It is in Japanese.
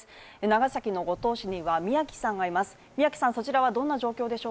長崎の五島市には宮木さんがいます。